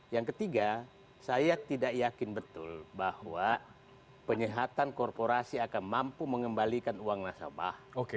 yang ketiga saya tidak yakin betul bahwa penyehatan korporasi akan mampu mengembalikan uang nasabah